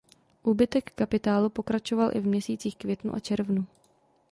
Úbytek kapitálu pokračoval i v měsících květnu a červnu.